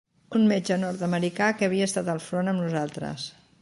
Un metge nord-americà que havia estat al front amb nosaltres